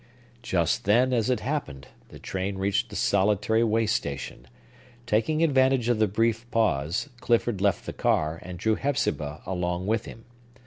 Just then, as it happened, the train reached a solitary way station. Taking advantage of the brief pause, Clifford left the car, and drew Hepzibah along with him.